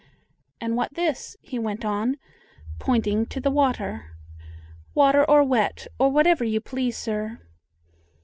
And what, this?" he went on, pointing to the water. "Water or wet, or whatever you please, sir."